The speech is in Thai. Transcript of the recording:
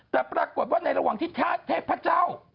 แต่ปรากฏว่าในระหว่างที่เทพเจ้า